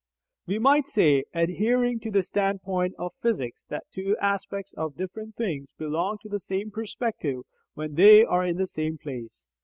We might say, adhering to the standpoint of physics, that two aspects of different things belong to the same perspective when they are in the same place.